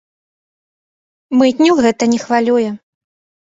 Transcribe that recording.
Мытню гэта не хвалюе.